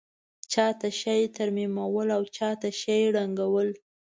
چا څه شي ترمیمول او چا څه شي ړنګول.